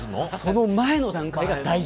その前の段階が大事。